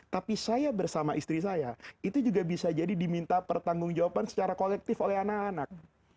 tapi saya bersama istri saya itu juga bisa jadi diminta pertanggung jawaban secara kolektif oleh anak anak